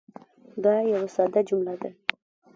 دا یوه ساده جمله ده.